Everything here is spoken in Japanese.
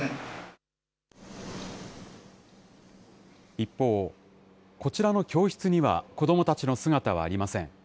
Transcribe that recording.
一方、こちらの教室には子どもたちの姿はありません。